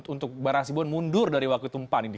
untuk barangasibuan mundur dari waktu itu empat ini